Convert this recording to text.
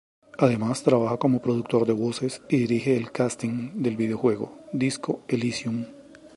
Además, trabaja como productor de voces y dirige el "casting" del videojuego "Disco Elysium".